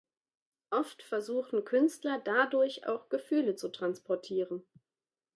Oft versuchen Künstler dadurch auch Gefühle zu transportieren.